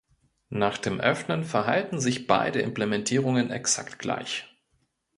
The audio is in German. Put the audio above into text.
Nach dem Öffnen verhalten sich beide Implementierungen exakt gleich.